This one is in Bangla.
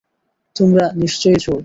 তোমরা নিশ্চয়ই চোর।